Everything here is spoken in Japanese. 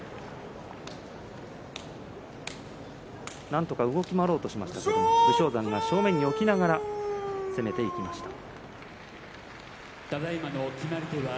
なんとか動き回ろうとしましたが武将山が正面に置きながら攻めていきました。